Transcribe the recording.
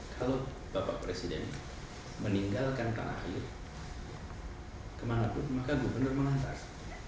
kalau bapak presiden meninggalkan tanah air kemana pun maka gubernur mengantar